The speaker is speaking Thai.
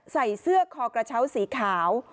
ใส่เสื้อคอกระเช้าสีขาว